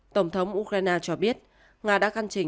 tổng thống ukraine cho biết nga đã căn chỉnh cuộc tập kích